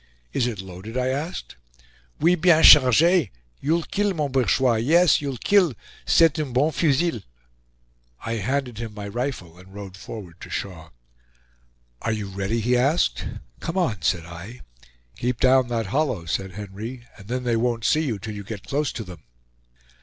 "Is it loaded?" I asked. "Oui, bien charge; you'll kill, mon bourgeois; yes, you'll kill c'est un bon fusil." I handed him my rifle and rode forward to Shaw. "Are you ready?" he asked. "Come on," said I. "Keep down that hollow," said Henry, "and then they won't see you till you get close to them."